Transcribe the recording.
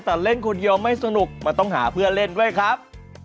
แต่เล่นคนเดียวไม่สนุกมันต้องหาเพื่อนเล่นด้วยครับ